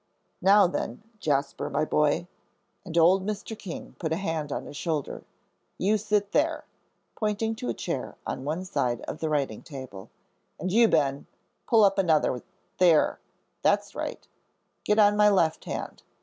"Now, then, Jasper, my boy," and old Mr. King put a hand on his shoulder, "you sit there," pointing to a chair on one side of the writing table, "and you, Ben, pull up another, there that's right get on my left hand.